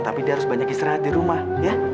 tapi dia harus banyak istirahat di rumah ya